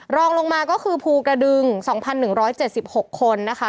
รองลงมาก็คือภูกระดึง๒๑๗๖คนนะคะ